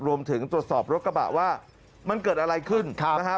รวมถึงตรวจสอบรถกระบะว่ามันเกิดอะไรขึ้นนะฮะ